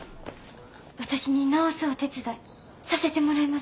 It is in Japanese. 私に直すお手伝いさせてもらえませんか。